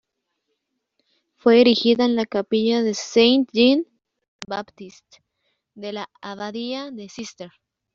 Fue erigida en la capilla de Saint-Jean-Baptiste de la abadía de Císter.